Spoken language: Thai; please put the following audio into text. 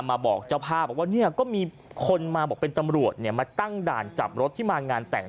มาบอกเจ้าภาพบอกว่าเนี่ยก็มีคนมาบอกเป็นตำรวจเนี่ยมาตั้งด่านจับรถที่มางานแต่ง